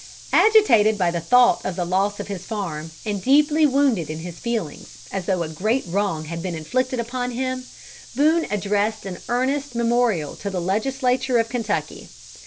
Agitated by the thought of the loss of his farm and deeply wounded in his feelings, as though a great wrong had been inflicted upon him, Boone addressed an earnest memorial to the Legislature of Kentucky.